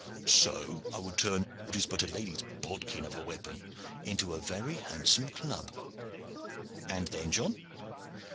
"So I would turn what is but a lady's bodkin of a weapon into a very handsome club." "And then, John?"